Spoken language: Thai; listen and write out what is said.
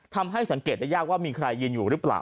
ทำให้สังเกตได้ยากว่ามีใครยืนอยู่หรือเปล่า